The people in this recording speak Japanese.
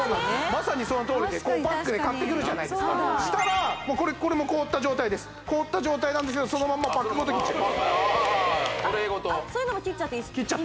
まさにそのとおりでこうパックで買ってくるじゃないですかしたらもうこれも凍った状態です凍った状態なんですがそのまんまパックごと切っちゃうああトレイごとそういうのも切っちゃっていいんですね